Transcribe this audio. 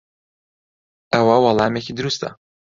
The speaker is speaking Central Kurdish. ئەوە وەڵامێکی دروستە.